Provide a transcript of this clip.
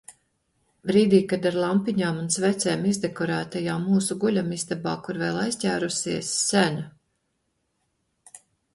Brīdī, kad ar lampiņām un svecēm izdekorētajā mūsu guļamistabā, kur vēl aizķērusies sena.